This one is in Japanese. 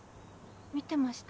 見てました。